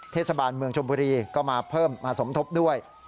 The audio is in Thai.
เทศบาลเมืองชมบุรีก็มาเพิ่มมาสมทบด้วย